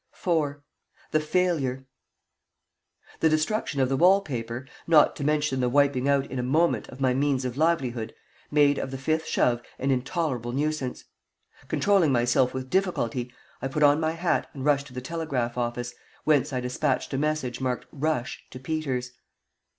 IV THE FAILURE The destruction of the wall paper, not to mention the wiping out in a moment of my means of livelihood, made of the fifth shove an intolerable nuisance. Controlling myself with difficulty, I put on my hat and rushed to the telegraph office, whence I despatched a message, marked "Rush," to Peters.